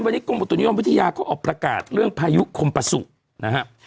วันนี้กรมอุตุนิยมวิทยาเขาออกประกาศเรื่องพายุคมปสุนะครับ